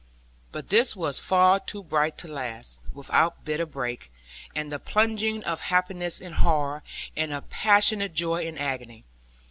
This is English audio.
But this was far too bright to last, without bitter break, and the plunging of happiness in horror, and of passionate joy in agony.